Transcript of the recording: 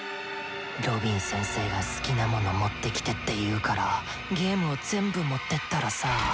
ロビン先生が好きな物持ってきてっていうからゲームを全部持ってったらさ。